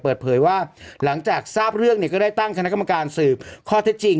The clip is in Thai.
เปิดเผยว่าหลังจากทราบเรื่องก็ได้ตั้งคณะกรรมการสืบข้อเท็จจริง